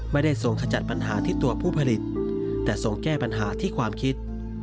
ไม่ได้ทรงขจัดปัญหาที่ตัวผู้ผลิตแต่ทรงแก้ปัญหาที่ความคิด